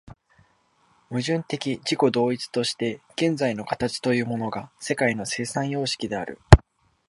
矛盾的自己同一として現在の形というものが世界の生産様式である。